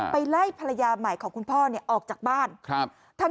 ไปไล่ภรรยาใหม่ของคุณพ่อเนี่ยออกจากบ้านครับ